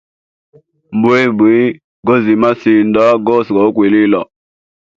Mbwimbwi yoziya masinda gose ga ukwilila.